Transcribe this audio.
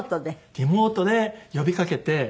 リモートで呼びかけて。